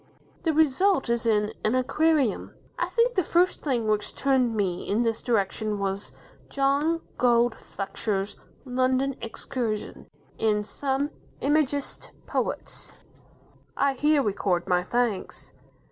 The result is in "An Aquarium". I think the first thing which turned me in this direction was John Gould Fletcher's "London Excursion", in "Some Imagist Poets". I here record my thanks.